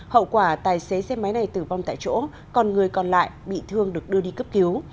hậu quả tài xế xe máy này tử vong tại chỗ còn người còn lại bị thương được đưa đi cấp cứu